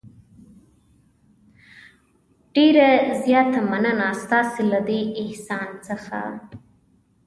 ډېره زیاته مننه ستاسې له دې احسان څخه.